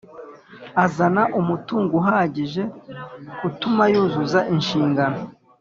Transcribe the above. azana umutungo uhagije utuma yuzuza inshingano